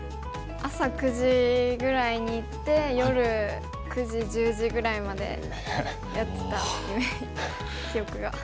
朝９時ぐらいに行って夜９時１０時ぐらいまでやってた記憶が。